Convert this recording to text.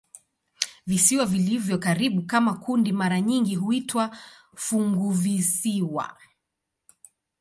Visiwa vilivyo karibu kama kundi mara nyingi huitwa "funguvisiwa".